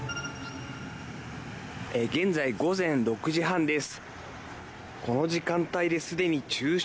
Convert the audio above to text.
現在、午前６時半です。